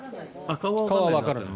顔はわからない。